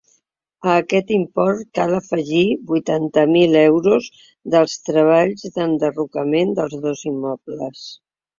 A aquest import cal afegir vuitanta mil euros dels treballs d’enderrocament dels dos immobles.